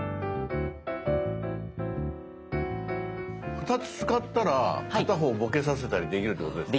２つ使ったら片方ボケさせたりできるってことですか？